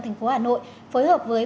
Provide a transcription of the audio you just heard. thành phố hà nội phối hợp với